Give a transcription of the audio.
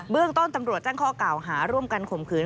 เรื่องต้นตำรวจแจ้งข้อกล่าวหาร่วมกันข่มขืน